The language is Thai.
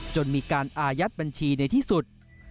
จนมีการอายัดบัญชีในที่สุด